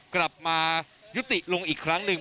กลับมายุติลงอีกครั้งหนึ่ง